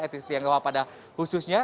etik setiap umat pada khususnya